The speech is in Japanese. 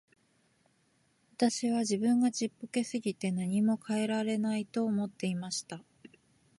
私は自分がちっぽけすぎて何も変えられないと思っていました。